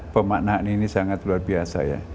pemaknaan ini sangat luar biasa ya